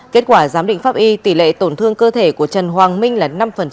kết quả giám định pháp y tỷ lệ tổn thương cơ thể của trần hoàng minh là năm